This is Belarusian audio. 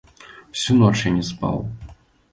Усю ноч я не спаў.